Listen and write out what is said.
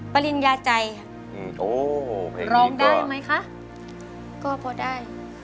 ปริญญาใจอืมโอ้เพลงดีกว่าร้องได้ไหมคะก็พอได้